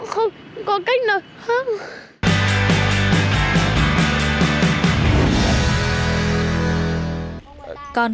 không cháu nói thật